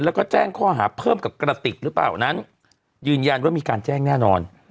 แล้วก็แจ้งข้อหาเพิ่มกับกระติกหรือเปล่านั้นยืนยันว่ามีการแจ้งแน่นอน